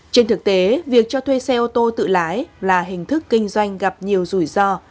trên thực tế việc cho thuê xe ô tô tự lái là hình thức kinh doanh gặp nhiều rủi ro